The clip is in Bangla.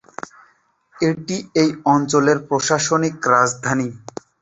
এটি এই অঞ্চলের প্রশাসনিক রাজধানী।